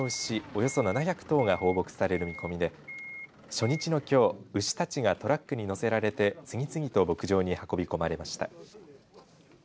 およそ７００頭が放牧される見込みで初日のきょう牛たちがトラックにのせられて次々と牧場に運び込まれました。